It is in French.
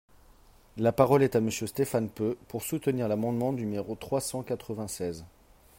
La parole est à Monsieur Stéphane Peu, pour soutenir l’amendement numéro trois cent quatre-vingt-seize.